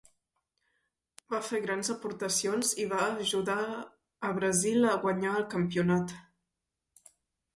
Va fer grans aportacions i va a ajudar a Brasil a guanyar el campionat.